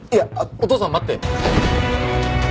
お父さん待って！